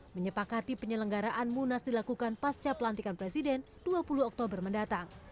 menyepakati penyelenggaraan munas dilakukan pasca pelantikan presiden dua puluh oktober mendatang